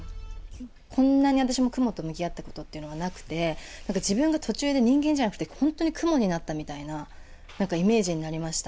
こんなに私もクモと向き合ったことっていうのがなくって、なんか自分が途中で人間じゃなくて、本当にクモになったみたいな、なんか、イメージになりました。